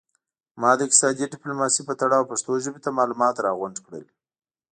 ما د اقتصادي ډیپلوماسي په تړاو پښتو ژبې ته معلومات را غونډ کړل